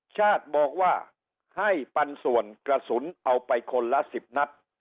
ชาติบอกว่าให้ปันส่วนกระสุนเอาไปคนละ๑๐นัด